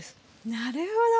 なるほど。